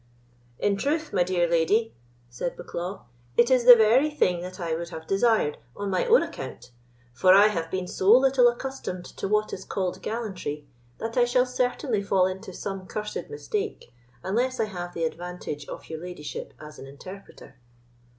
"In truth, my dear lady," said Bucklaw, "it is the very thing that I would have desired on my own account; for I have been so little accustomed to what is called gallantry, that I shall certainly fall into some cursed mistake unless I have the advantage of your ladyship as an interpreter."